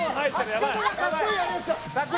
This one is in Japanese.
やばい！